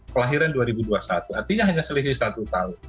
kelahiran dua ribu dua puluh satu artinya hanya selisih satu tahun